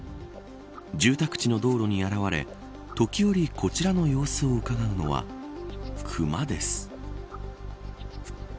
住宅地の道路に現れ時折こちらの様子をうかがうのはクマです。